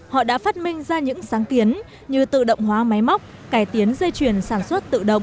họ đã phát minh ra những sáng kiến như tự động hóa máy móc cải tiến dây chuyển sản xuất tự động